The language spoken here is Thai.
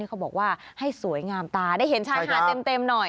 เขาบอกว่าให้สวยงามตาได้เห็นชายหาดเต็มหน่อย